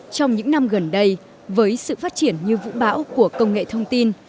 trong những năm gần đây với sự phát triển như vũ bão của công nghệ thông tin